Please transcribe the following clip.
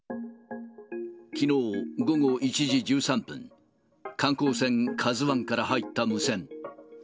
きのう午後１時１３分、観光船カズワンから入った無線。